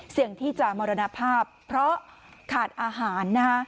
เสี่ยงที่จะมรณภาพเพราะขาดอาหาร